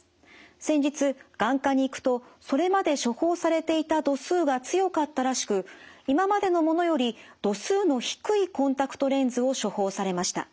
先日眼科に行くとそれまで処方されていた度数が強かったらしく今までのものより度数の低いコンタクトレンズを処方されました。